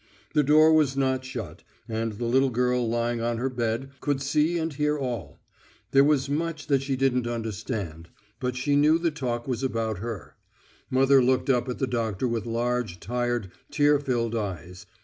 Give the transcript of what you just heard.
The door was not shut, and the little girl lying on her bed could see and hear all. There was much that she didn't understand, but she knew the talk was about her. Mother looked up at the doctor with large, tired, tear filled eyes.